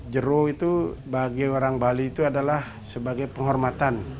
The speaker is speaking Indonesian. jero itu bagi orang bali itu adalah sebagai penghormatan